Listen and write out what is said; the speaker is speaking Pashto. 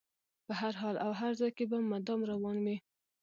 په هر حال او هر ځای کې به مدام روان وي.